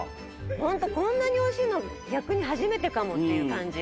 ホントこんなに美味しいの逆に初めてかもっていう感じ。